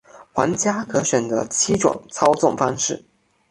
玩家可选择七种操纵方式。